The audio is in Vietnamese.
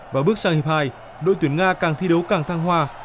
và bước sang hiệp hai đội tuyển nga càng thi đấu càng thăng hoa